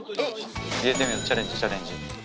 入れてみようチャレンジチャレンジ。